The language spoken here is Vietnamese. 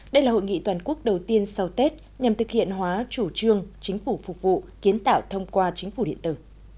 đây là hội nghị toàn quốc đầu tiên sau tết nhằm thực hiện hóa chủ trương chính phủ phục vụ kiến tạo thông qua chính phủ điện tử